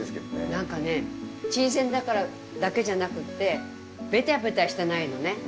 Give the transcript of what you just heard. なんか新鮮だからだけじゃなくてべたべたしてないのね。